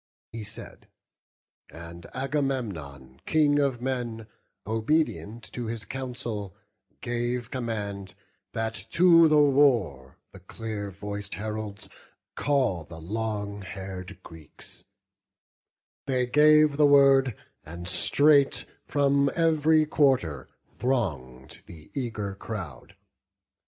He said; and Agamemnon, King of men, Obedient to his counsel, gave command That to the war the clear voic'd heralds call The long hair'd Greeks: they gave the word, and straight From ev'ry quarter throng'd the eager crowd.